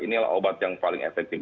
ini adalah obat yang paling efektif